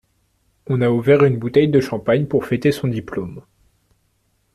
On a ouvert une bouteille de champagne pour fêter son diplôme.